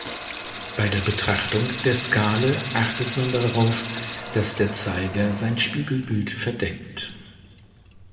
Bei der Betrachtung der Skale achtet man darauf, dass der Zeiger sein Spiegelbild verdeckt.